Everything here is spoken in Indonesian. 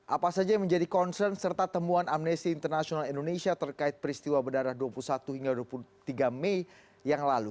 apa saja yang menjadi concern serta temuan amnesty international indonesia terkait peristiwa berdarah dua puluh satu hingga dua puluh tiga mei yang lalu